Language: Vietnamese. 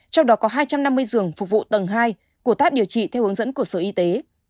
trong đó có hai trăm năm mươi giường phục vụ tầng hai của tát điều trị theo hướng dẫn của sở y tế